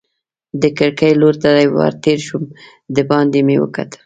د کړکۍ لور ته ور تېر شوم، دباندې مې وکتل.